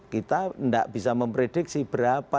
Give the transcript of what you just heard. kita tidak bisa memprediksi berapa